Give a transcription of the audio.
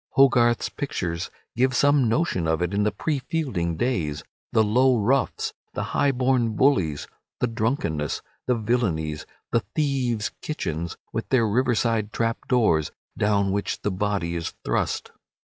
Hogarth's pictures give some notion of it in the pre Fielding days, the low roughs, the high born bullies, the drunkenness, the villainies, the thieves' kitchens with their riverside trapdoors, down which the body is thrust.